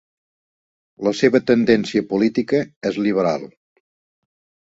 La seva tendència política és liberal.